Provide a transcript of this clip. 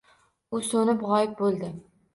U so‘nib g‘oyib bo‘ldi.